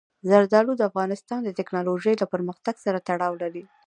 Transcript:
زردالو د افغانستان د تکنالوژۍ له پرمختګ سره تړاو لري.